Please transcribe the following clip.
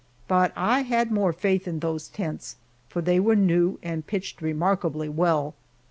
But I had more faith in those tents, for they were new and pitched remarkably well.